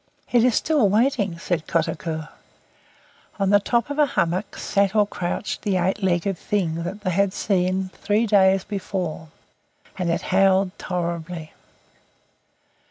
"It is still waiting," said Kotuko. On the top of a hummock sat or crouched the eight legged Thing that they had seen three days before and it howled horribly.